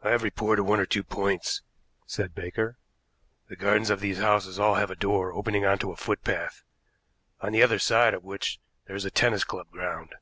"I have reported one or two points," said Baker. "The gardens of these houses all have a door opening onto a footpath, on the other side of which there is a tennis club ground.